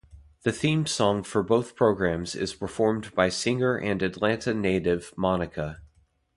The theme song for both programs is performed by singer and Atlanta native Monica.